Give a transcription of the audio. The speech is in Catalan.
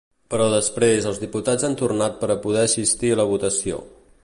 Però després els diputats han tornat per a poder assistir a la votació.